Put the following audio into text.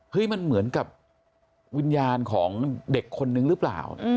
มันเหมือนกับวิญญาณของเด็กคนนึงหรือเปล่า